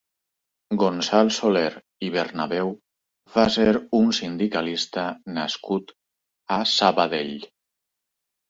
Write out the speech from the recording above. Gonçal Soler i Bernabeu va ser un sindicalista nascut a Sabadell.